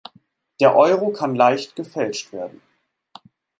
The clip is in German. Der Euro kann leicht gefälscht werden.